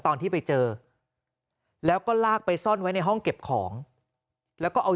ตอนที่ไปเจอแล้วก็ลากไปซ่อนไว้ในห้องเก็บของแล้วก็เอา